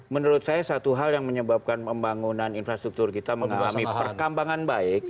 menurut saya satu hal yang menyebabkan pembangunan infrastruktur kita mengalami perkambangan baik